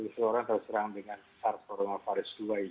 seorang terserang dengan sars cov dua ini